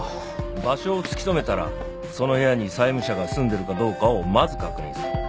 場所を突き止めたらその部屋に債務者が住んでるかどうかをまず確認する。